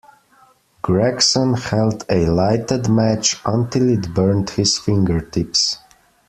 Gregson held a lighted match until it burnt his fingertips.